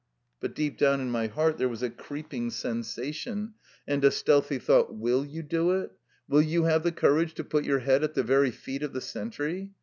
But deep down in my heart there was a creeping sensation, and a stealthy thought, ^' Will you do it? will you have the courage to put your head at the very feet of the sentry?"